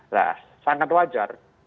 nah sangat wajar